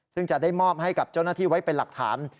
ซึ่งจะได้มอบให้กับเจ้าหน้าที่ไว้เป็นหลักฐาน